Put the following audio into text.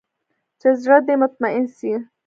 چې زړه دې مطمين سي.